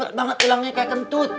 enak banget tulangnya kayak kentut